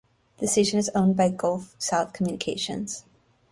The station is owned by Gulf South Communications.